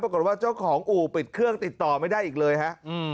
เจ้าของอู่ปิดเครื่องติดต่อไม่ได้อีกเลยฮะ